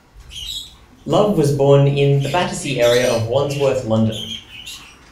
Love was born in the Battersea area of Wandsworth, London.